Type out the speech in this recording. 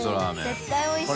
絶対おいしい。